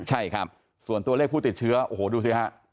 ใช่ครับส่วนตัวเลขผู้ติดเชื้อโอ้โหดูสิฮะ